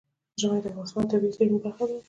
ژمی د افغانستان د طبیعي زیرمو برخه ده.